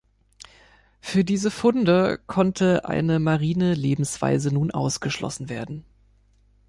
Für diese Funde konnte eine marine Lebensweise nun ausgeschlossen werden.